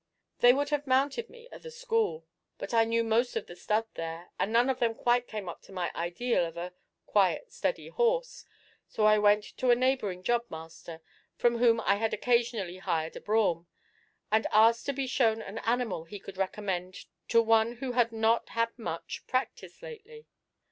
They would have mounted me at the school; but I knew most of the stud there, and none of them quite came up to my ideal of a 'quiet, steady horse;' so I went to a neighbouring job master, from whom I had occasionally hired a brougham, and asked to be shown an animal he could recommend to one who had not had much practice lately.